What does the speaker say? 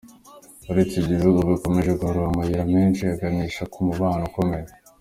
Uretse ibyo, ibihugu bikomeje guharura amayira menshi aganisha ku mubano ukomeye.